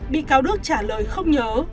bị cáo đức trả lời không nhớ